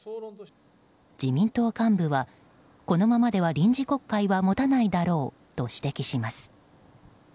自民党幹部はこのままでは臨時国会は持たないだろうと指摘します。